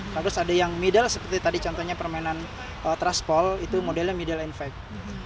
lalu ada yang middle seperti tadi contohnya permainan transport itu modelnya middle impact